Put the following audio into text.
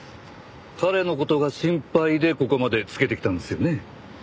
彼の事が心配でここまでつけてきたんですよね？